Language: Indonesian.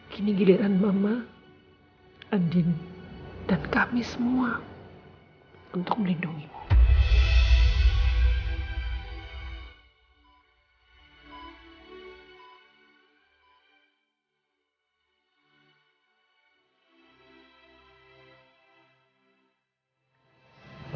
kini giliran mama andien dan kami semua untuk melindungimu